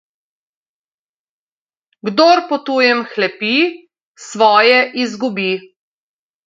Kdor po tujem hlepi, svoje izgubi.